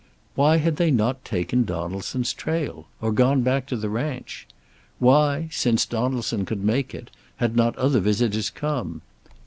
Why had they not taken Donaldson's trail? Or gone back to the ranch? Why, since Donaldson could make it, had not other visitors come?